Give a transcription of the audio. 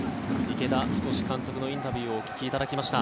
池田太監督のインタビューをお聞きいただきました。